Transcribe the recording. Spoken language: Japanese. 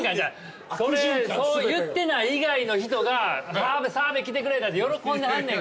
そう言ってない以外の人が澤部来てくれたって喜んではんねんから。